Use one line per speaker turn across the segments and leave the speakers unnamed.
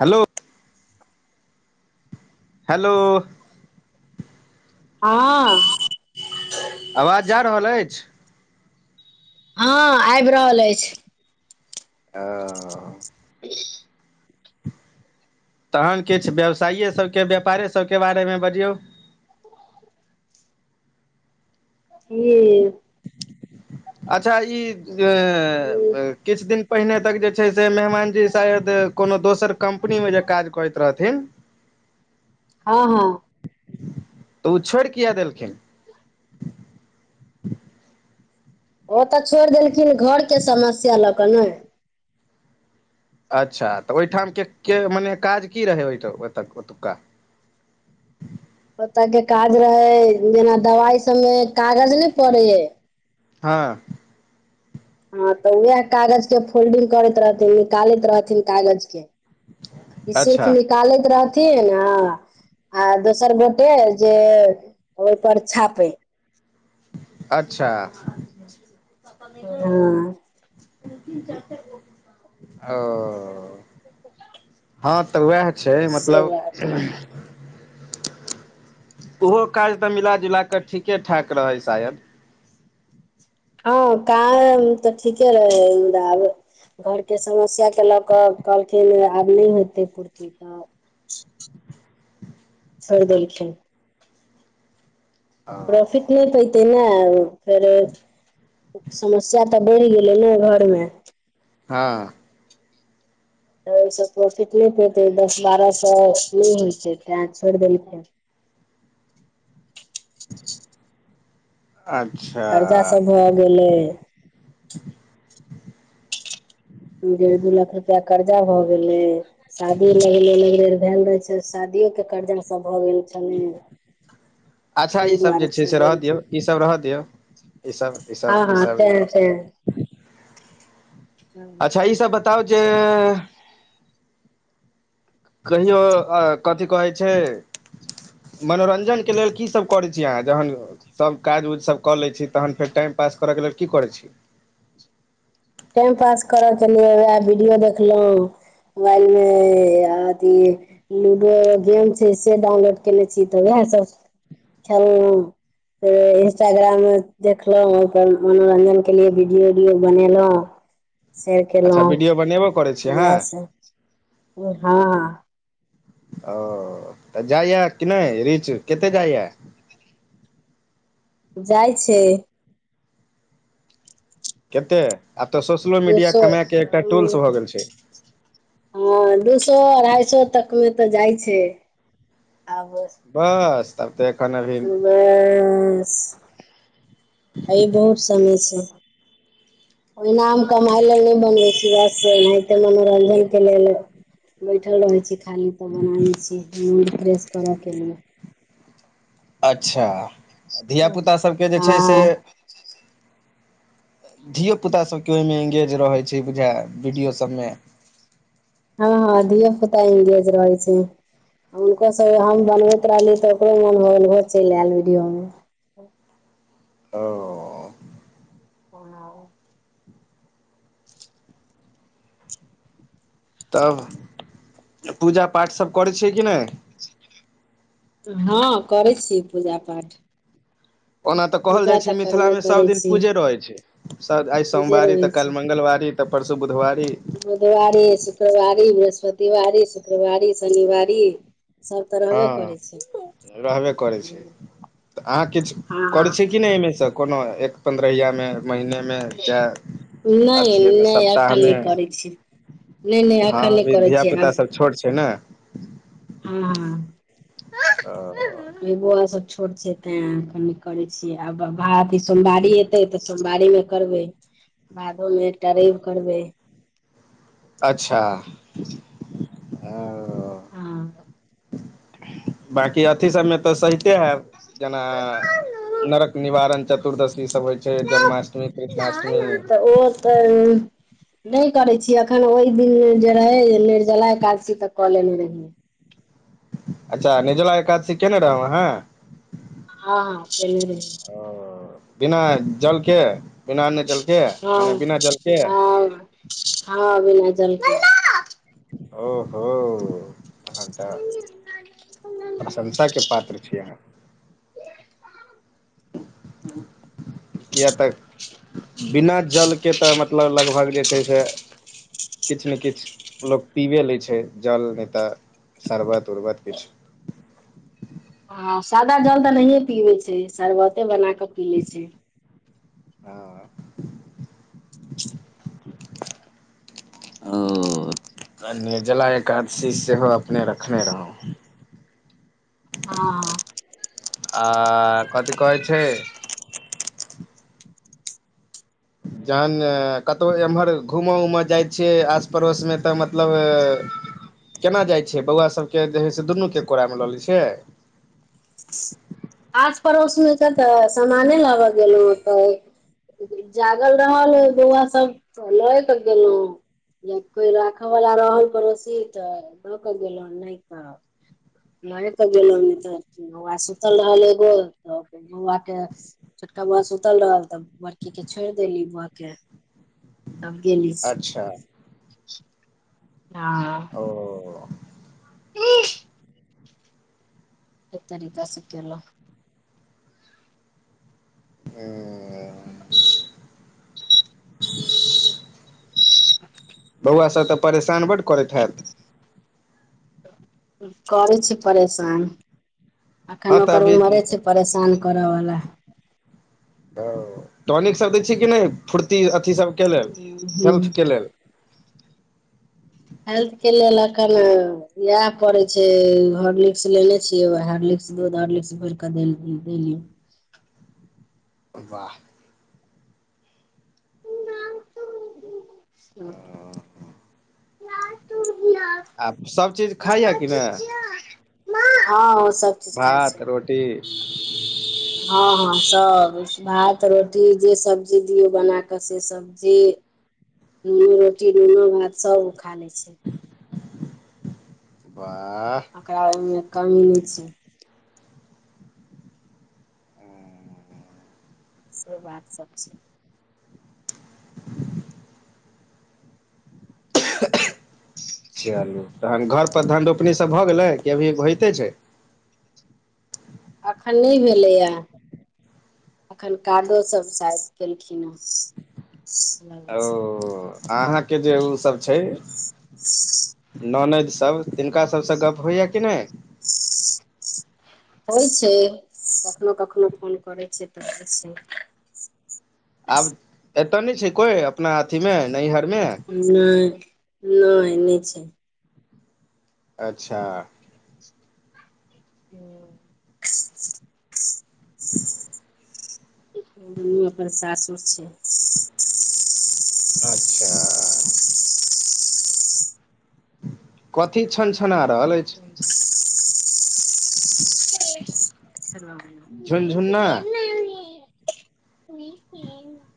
Hello hello
हाँ
आवाज जा रहल अछि
हँ आबि रहल अछि
ओ
[inaudible]
तहन किछु व्यवसाए सबके व्यापारे सबके बारेमे बजियौ।
की।
अच्छा ई अ किछ दिन पहिने तक जे छै से मेहमानजी शायद कोनो दोसर कम्पनी मे जे काज करैत रहथिन
हाँ हाँ
तऽ ओ छोड़ि किया देलखिन
ओ तऽ छोड़ि देलखिन घरके समस्या लऽ कऽ ने।
अच्छा तऽ ओहिठाम के के मने काज की रहै ओहि ओ ओतुका
ओतय के काज रहै जेना दबाई सबमे कागज नहि पड़ै
हाँ
हँ तऽ उएह कागज के फोल्डिंग करैत रहथिन निकालैत रहथिन कागज के ई सिर्फ
अच्छा
निकालैत रहथिन आ आ दोसर गोटे जे ओहि पर छापय
अच्छा पा नहि हँ तीन-तीन चारि चार ग। [unintelligible] ओ हँ तऽ उएह छै
से बात
मतलब ओहो काज तऽ मिलाजुला कऽ ठीके ठाक रहै शायद
हँआ काम तऽ ठीके रहै मुदा। घरके समस्याके लऽ कऽ कहलखिन आब नहि हेतै पूर्ति तऽ, छोड़ि देलखिन प्रॉफिट नै पयते ने फेर समस्या तऽ बढ़ गेलै ने घर मे
हा।
तऽ ओहिसँ प्रॉफिट नै पेतै दस बारह सए नै होइतै तैँ छोड़ि देलकै
अच्छा
कर्जा सब भ गेलै। डेढ़ दू लाख रुपआ कर्जा भऽ गेलै। शादी लगले लगले भेएल रहै छै शादियो के कर्जा सब भ गेल छलै।
अच्छा
ताहि
ईसभ जे
दुआरे
छै
छोड़ि
से रह दियौ
देलखिन
ईसभ रह दियौ। ईसब ईसब
हँ हँ
ईसगं
तें तें
अच्छा ईसब बताउ जे। कहियो अ कथि कहै छै। मनोरंजन के लेल कीसब करै छी अहाँ जहन। सब काज उज सब कऽ लै छीय तहन फेर टाइम पास करऽके लेल की करै छी।
टाइम पास कर के लिए वीडियो देखलौ [unintelligible] मे अथी। लूडो अ गेम छै से डाउनलोड केने छी तऽ उएह सब खेललहुँ। इंस्टाग्राम मे देखलौ पर मनोरंजन के लिए वीडियो उडियो बनेलौ
अच्छा विडियो बनेबो करै छी अहाँ
इएह सब हँ।
ओ तऽ जाइया कि नै रीच कते जाइया।
जाइ छै।
केते आब त सोशलो
दू
मीडिया
सौ
कमाय के एकटा टूल्स भऽ गेल छै।
हँ दू सो अढ़ाई सो तक मे त जाइ छै आब।
बस तब त एखन अभी।
बस अए बहुत समय स ओइ नाम कमाइ ले नै बनबै छी बस एनाहिते मनोरंजन के लेल। बैठल रहै छी खाली त बना लै छिये मूड फ्रेश करे के लिए।
अच्छा
हँ
धियापुता सभके जे छै से।
हँ
धियो पुता सभके ओहिमे इंगेज रहै छै बुझाय वीडियोसभमे।
हँ हँ धियो पुता एंगेज रहै छै हुनको सब हम बनबैत रहली तब। [unintelligible] ओहो चलि आयल वीडियोमे।
ह ह
ओनाउ। [unintelligible]
तब पूजा पाठ सब करै छियै कि नै।
हँ करै छिये पूजा पाठ।
ओना त कहल
पूजा
जाइ छै
तऽ
मिथिला
करबे
मे सब
करै
दिन
छी
पूजे रहै छै। सर आइ
पूजे
सोमवारी
रहै
तऽ
छै
काल्हि मंगलवारी तऽ परसू बुधवारी।
बुधवारी शुक्रवारी बृहस्पतिवारी शुक्रवारी शनिवारी। सब तऽ रहबे
हँ
करै छै
रहबे करै छै। त अहाँ किछु
हँ हँ
करै छिय कि नहि एहिमेसँ कोनो एक पन्द्रहियामे महीने मे। मे चे
नहि
अथियेमे
नहि एखन नहि
सप्ताहमे।
करै छी नहि नहि
हँ
एखन नहि
अभी
करै
धिया
छी
पुता
आब
सब छोट छै ने।
हँ हँ
ओ
इ बुआ ले सब। छोट छै तैं कनि करै छियै आब भा त सोमवारी एतै त सोमवारीय मे करबै। भादो मे एकटा रैब करबै।
अच्छा। हेॅं ओ
हँ
बाकी अथी सभमे त सहिते हेब जेना नरक निवारण चतु तुर्दशी सभ होइ छै जन्माष्टमी कृष्णाष्टमी।
त ई नहि करे छिये अखन ओहि दिन जे रहे निर्जला एकादशी त क लेने रहियै।
अच्छा निर्जला एकादशी केने रहौं आहां।
हँ हा। [unintelligible]
ओ बिना जलके बिना अन्न जलके
हँ
मने बिना जल के
हँ हँ बिना जलके
ओ हो अहाॅं तऽ प्रशंसा के पात्र छियै अहाँ किया तऽ बिना जलके तऽ मतलब लगभग जे ठीक अइ [unintelligible] किछु ने किछु लोक पीबे लै छै जल नहि तऽ शरबत उर्बत किछु
हँ सादा जल तऽ नहिए पीबै छी शरबते बनाक पीलै छी
हँ ह निर्जला एकादशी सेहो अपने रखने रहौ
हँ
आ कथि कहै छै जहन कतौ एम्हर घूमय उमय जाइ छियै आस पड़ोस मे तऽ मतलब केना जाइत छियै बौआ सभके जे है से दुनूके कोड़ा मे लऽ लै छियै
आस पड़ोस मे के तऽ सामाने लग गेलो होते [unintelligible] जागल रहल बौआ सब त लए क गेलहु या कोई राखय वाला रहल त रसीटऽ द के गेलौ नइ तऽ ने क गेलो त बौआा सुतल रहल [unintelligible] ोल तऽट [unintelligible] छोटका बौआ सुतल रहल त् बड़की के छोड़ि देली बौआ के तब गेली
अच्छा
ह [unintelligible]
ओ
एत रीत सखल [unintelligible]
ह
[inaudible] [unintelligible] [unintelligible]
बौआ सभ तऽ परेशान बड करैत हैत
करै छै परेशान अखैन
हँ तऽ
ओकर उमरे
अभी
छै परेशान करऽ वला।
ओ टॉनिक सब दै छी कि नैं फुर्ती अथी सबके लेल
हूँ
हेल्थके लेल?
हेल्थ के लेल अखन इएह करै छैय हारलिक्स लेने छियै हारलिक्स दुध हारलिक्स घोरिकय कऽ दिही पी देली।
वाह
[unintelligible]
आब सब चीज खाइया कि नै?
माँ हँ ओ सब चीज खाइ
भात
छै
रोटी।
हँ हँ सब भात रोटी जे सब्जी दियौ बना कऽ से सब जे नून रोटी नुनो भात सब ओ खा लै छैय।
बाह
ओकरा ओहिमे कमी नहि छैय। से बात सब छैय।
चलू तहन घर पर धन रोपनी सब भऽ गेलै कि अभी होइते छैय।
एखन नहि भेलैया। एखन कादो सब शायद केलखिन हेँ।
ओ अहाँके जे उसब छैय ननैद सब तिनका सभसँ गप होइया कि नै?
होइ छैय कखनो कखनो फोन करै छैय तऽ होइ छैय।
आब एतऽ नहि छैय कोइ अपना अथीमे नैहरमे?
नई नई नई छैय।
अच्छा
ह दुनू अपन सासुर छैय।
अच्छा कथी छन छना रहल अछि?
[inaudible]
झुनझुन्ना
[unintelligible]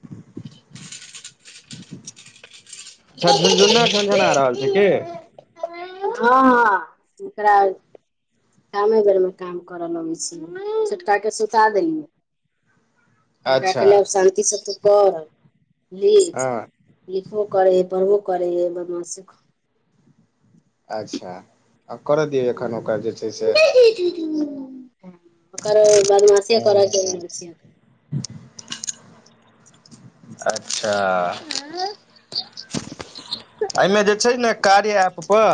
अच्छा झुनझुन्ना झुनझुना रहल छैय कि?
हँ हँ ओकरा कामे बेरमे काम करऽ लगै छियै छोटका के सुता देलियै।
[inaudible]
एकरा कहलै आब शान्तिसँ तू पढ़ लीख।
हँ
लिखबो करै हइ पढ़बो करै हइ बदमासीओ क
अच्छा आ करऽ दियौ एखन ओकरा जे छैय से
ओकर बादमासिये कर के मन छैय।
अच्छा
[unintelligible]
एहिमे जे छैय ने कार्य ऐप पर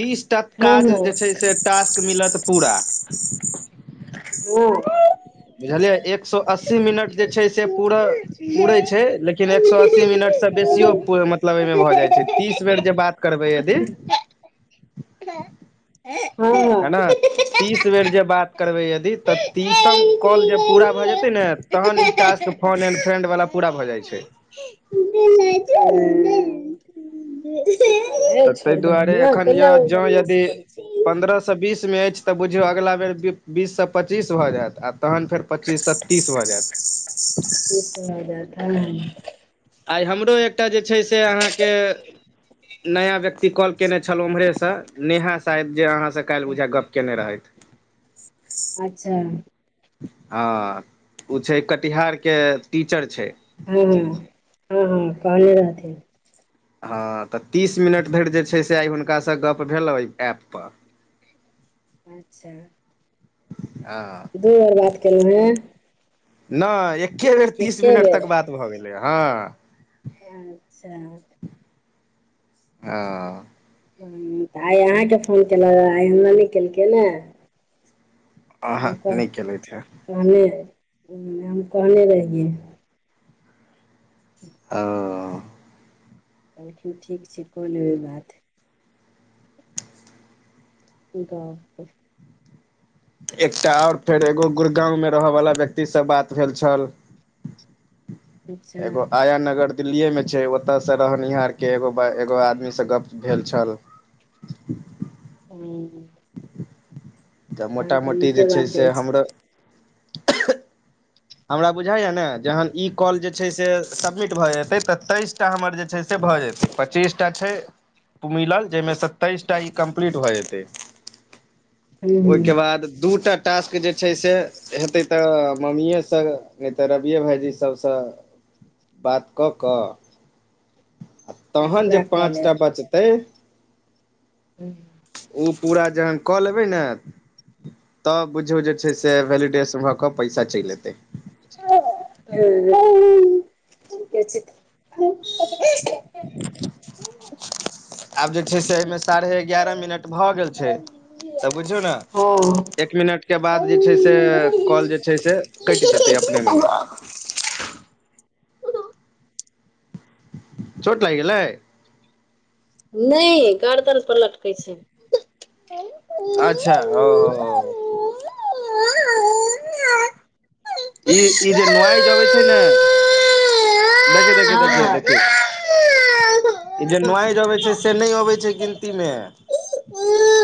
तीस टा काज जे छैय से टास्क मिलत पूरा।
ओ
बुझलियै एक सो अस्सी मिनट जे छैय से पूरा पूरे छैय लेकिन एक सो अस्सी मिनट से बेसियो मतलब एहिमे भऽ जाइ छैय तीस बेर जे बात करबै यदि
उमर
है
हँ
ने
[inaudible]
तीस बेर जे बात करबै यदि तऽ तीसम कॉल जे पूरा भऽ जेतै ने तहन ई टास्क फोन एंड फ्रेंड वाला पूरा भऽ जाइ छै।
[unintelligible] [unintelligible]
तऽ तहि
दही
दुआरे
न
एखन य
कैला
जँ
बदमाशी
यदि
करै छै
पन्द्रह सँ बीस मे अईछ तऽ बुझियऊ अगला बेर बीस सँ पच्चीस भऽ जैत आ तहन फेर पच्चीस सँ त्तीस भऽ जायत
क सुना जा [unintelligible]
आइ हमरो एकटा जे छै से अहाँके नया व्यक्ति कॉल केने छल उम्हरेसँ नेहा शायद जे अहाँसँ काल्हि बुझाइऐ गप्प केने रहथि
अच्छा
हँ उ छै कटिहार के टीचर छै
हूँ हूँ हँ हँ कहले रहथिन
हँ तऽ तीस मिनट धरि जे छै से आइ हुनकासँ गप्प भेलऽ ओहि ऐप पर
अच्छा
हँ
दू बेर बात केलौं हेँ
नहि एक्के बेर तीस
एके
मिनट
बेर
तक बात भऽ गेलै हँ
अच्छा
आ
हूँ तऽ आइ अहाँके फोन केलगऽ आइ हमरा नहि केलकै ने हम
अहं
कह
नहि केलैथि है
कहने हम कहने रहियै
अओ
कहलखिन्ह ठीक छै कऽ लेबै बात कह [unintelligible]
एकटा आओर फेर एगो गुड़गाँंव मे रहऽ बाला व्यक्ति सँ बात भेल छल
अच्छा
एगो आया नगर दिल्लीए मे छै ओतय से रहनिहार के एगो एगो आदमी सँ गप भेल छल।
हूंम्म।
तऽ मोटा मोटी
नीके
जे छै
बात
से
अछि
हमरो हमरा बुझाइये ने जहन ई कॉल जे छै से सबमिट भए जेते तऽ तेइस टा हमर जे छै भऽ जेतै पच्चीसटा छै मिलल जाहिमे स तेइसटा ई कम्प्लीट भऽ जेतै।
हूँ
ओहिके
हूँ
बाद दूटा टास्क जे छै से हेतै तऽ मम्मीेयें सँ नहि तऽ रबिये भाईजी सबसँ बात कऽ कऽ आ
आइ
तहन जे
पूरा कऽ
पाँच टा
लेब
बचतै
हूंम्म
ओ पूरा जहन कऽ लेबै ने तब बुझियौ जे छै से वैलिडेश भऽ कऽ पैसा चलि एतै।
[inaudible]
[inaudible] आब जे छै से एहिमे साढ़े एगारह मिनट भऽ गेल छै तऽ बुझियौ न एक मिनट के बाद जे छै से काॅल जे छै से कटि जेतै अपने मने। चोट लागि गेलै।
नहि गर्दन पर लटकै छै।
अच्छा ओ ई- ई जे नोआइज अबै छै ने देखे- देखे- देखे- देखे इ जे नोइज अबै छै से नहि अबै छै गिनती मे।
हँ